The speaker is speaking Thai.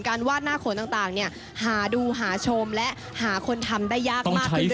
การวาดหน้าโขนต่างเนี่ยหาดูหาชมและหาคนทำได้ยากมากขึ้นเรื่อยแล้ว